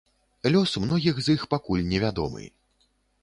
Лёс многіх з іх пакуль невядомы.